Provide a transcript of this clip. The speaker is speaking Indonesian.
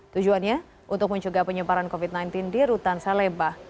tujuannya untuk mencegah penyebaran covid sembilan belas di rutan salemba